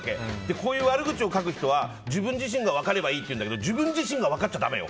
こういう悪口を書く人は自分自身が分かればいいっていうんだけど自分自身が分かっちゃだめよ。